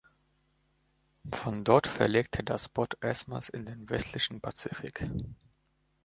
Von dort verlegte das Boot erstmals in den westlichen Pazifik.